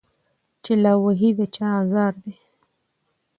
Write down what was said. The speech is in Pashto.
چي لا وهلی د چا آزار دی